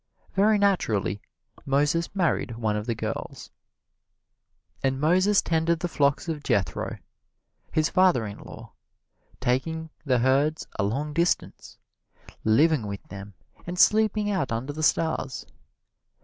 Very naturally Moses married one of the girls. And Moses tended the flocks of Jethro, his father in law, taking the herds a long distance, living with them and sleeping out under the stars.